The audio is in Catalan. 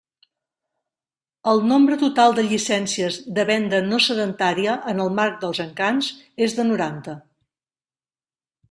El nombre total de llicències de Venda No Sedentària en el marc dels Encants és de noranta.